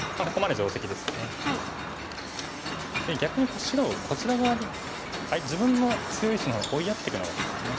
で逆に白をこちら側に自分の強い石の方に追いやっていくのがいいんですね。